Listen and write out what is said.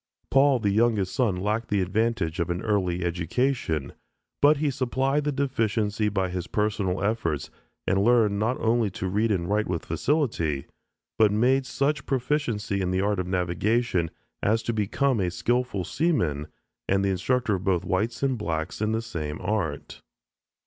Paul, the youngest son, lacked the advantage of an early education, but he supplied the deficiency by his personal efforts and learned not only to read and write with facility, but made such proficiency in the art of navigation as to become a skillful seaman and the instructor of both whites and blacks in the same art.